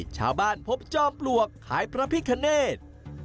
ชาวบ้านพบจอมปลวกขายพระพิคเนธ